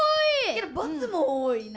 けど×も多いな。